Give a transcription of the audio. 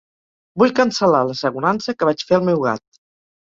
Vull cancel·lar l'assegurança que vaig fer al meu gat.